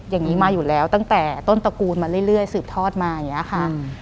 อย่างนี้มาอยู่แล้วตั้งแต่ต้นตระกูลมาเรื่อยสืบทอดมาอย่างนี้ค่ะ